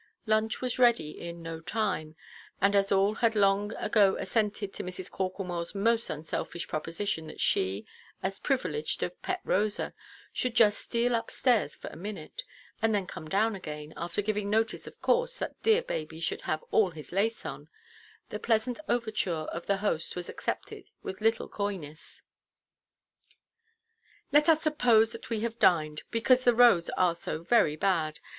Lunch was ready in no time; and, as all had long ago assented to Mrs. Corklemoreʼs most unselfish proposition that she, as privileged of pet Rosa, should just steal up–stairs for a minute, and then come down again—after giving notice, of course, that dear baby should have all his lace on—the pleasant overture of the host was accepted with little coyness— "Let us suppose that we have dined: because the roads are so very bad.